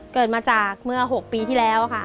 เกิดมาจากเมื่อ๖ปีที่แล้วค่ะ